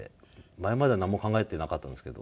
前までは何も考えてなかったんですけど。